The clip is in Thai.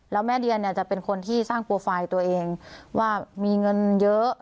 แล้วแม่เดียเนี่ยจะเป็นคนที่สร้างโปรไฟล์ตัวเองว่ามีเงินเยอะ